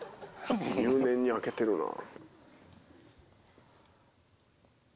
入念に開けてるなぁ。